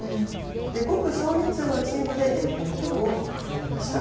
ごく少人数のチームで検討を重ねました。